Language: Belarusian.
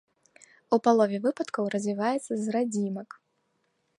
У палове выпадкаў развіваецца з радзімак.